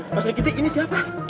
pak srikiti ini siapa